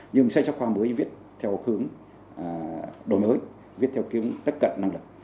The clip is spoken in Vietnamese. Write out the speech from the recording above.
nhưng sách giáo khoa mới viết theo hướng đổi mới viết theo kiếm tất cả năng lực